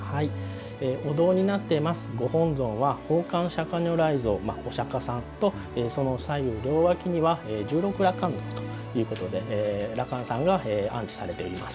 お像になっていますご本尊は宝冠釈迦如来坐像お釈迦さんと両脇には十六羅漢像ということで羅漢さんが安置されています。